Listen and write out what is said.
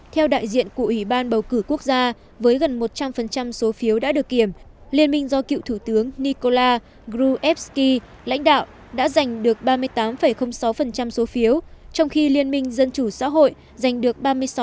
theo đại diện của ủy ban bầu cử quốc gia với gần một trăm linh số phiếu đã được kiểm liên minh do cựu thủ tướng nicola gruevsky lãnh đạo đã giành được ba mươi tám sáu số phiếu trong khi liên minh dân chủ xã hội giành được ba mươi sáu